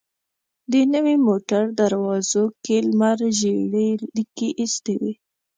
د نوې موټر دروازو کې لمر ژېړې ليکې ايستې وې.